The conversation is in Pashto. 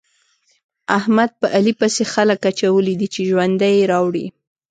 احمد په علي پسې خلګ اچولي دي چې ژوند يې راوړي.